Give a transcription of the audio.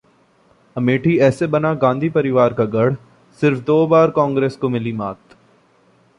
अमेठी ऐसे बना गांधी परिवार का गढ़, सिर्फ दो बार कांग्रेस को मिली मात